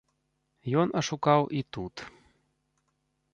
Ён ашукаў і тут.